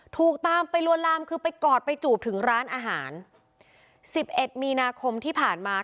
ถูกตามไปลวนลามคือไปกอดไปจูบถึงร้านอาหารสิบเอ็ดมีนาคมที่ผ่านมา